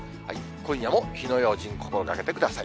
今夜も火の用心、心がけてください。